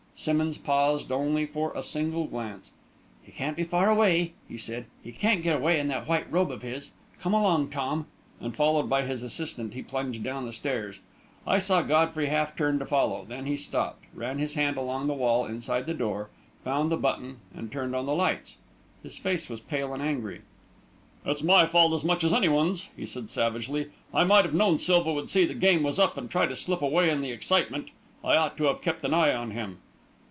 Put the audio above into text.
Simmonds paused only for a single glance. "He can't be far away!" he said. "He can't get away in that white robe of his. Come along, Tom!" and, followed by his assistant, he plunged down the stairs. I saw Godfrey half turn to follow; then he stopped, ran his hand along the wall inside the door, found the button, and turned on the lights. His face was pale and angry. "It's my fault as much as anyone's," he said savagely. "I might have known Silva would see the game was up, and try to slip away in the excitement. I ought to have kept an eye on him."